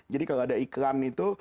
jadi kalau ada iklan itu